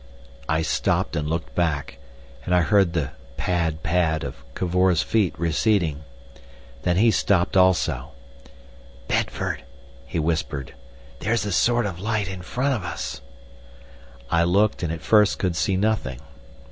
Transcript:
I stopped and looked back, and I heard the pad, pad of Cavor's feet receding. Then he stopped also. "Bedford," he whispered; "there's a sort of light in front of us." I looked, and at first could see nothing.